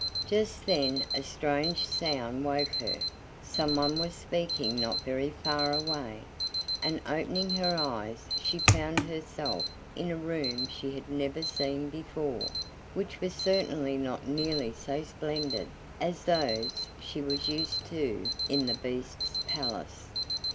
Just then a strange sound woke her someone was speaking not very far away; and opening her eyes she found herself in a room she had never seen before, which was certainly not nearly so splendid as those she was used to in the Beast's palace.